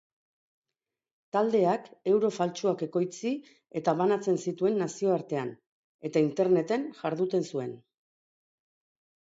Taldeak euro faltsuak ekoitzi eta banatzen zituen nazioartean, eta interneten jarduten zuen.